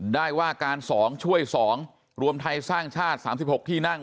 ได้ว่าการสองช่วยสองรวมไทยสร้างชาติสามสิบหกที่นั่ง